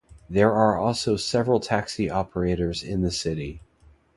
There are also several taxi operators in the city.